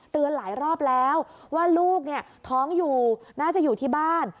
หลายรอบแล้วว่าลูกเนี่ยท้องอยู่น่าจะอยู่ที่บ้าน